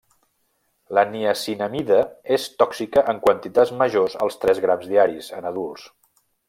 La niacinamida és tòxica en quantitats majors als tres grams diaris, en adults.